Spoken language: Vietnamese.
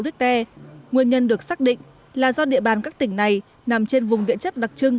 richter nguyên nhân được xác định là do địa bàn các tỉnh này nằm trên vùng điện chất đặc trưng